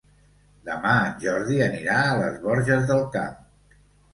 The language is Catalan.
Demà en Jordi anirà a les Borges del Camp.